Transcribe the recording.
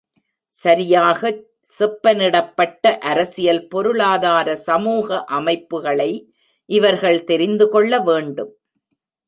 சரியாக செப்பனிடப்பட்ட அரசியல் பொருளாதார சமூக அமைப்புகளை இவர்கள் தெரிந்துகொள்ளவேண்டும்.